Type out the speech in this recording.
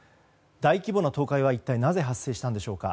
大規模な倒壊は一体なぜ発生したのでしょうか。